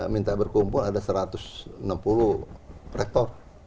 minta berkumpul ada satu ratus enam puluh rektor